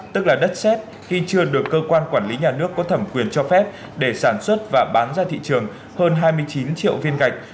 tức là đất xét khi chưa được cơ quan quản lý nhà nước có thẩm quyền cho phép để sản xuất và bán ra thị trường hơn hai mươi chín triệu viên gạch